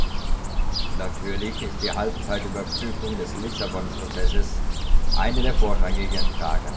Natürlich ist die Halbzeitüberprüfung des Lissabon-Prozesses eine der vorrangigen Fragen.